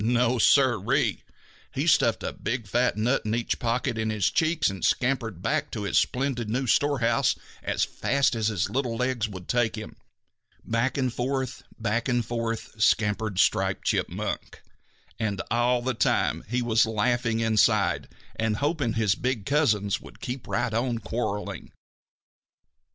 No, Sir ee! He stuffed a big fat nut in each pocket in his cheeks and scampered back to his splendid new storehouse as fast as his little legs would take him. Back and forth, back and forth, scampered Striped Chipmunk, and all the time he was laughing inside and hoping his big cousins would keep right on quarreling.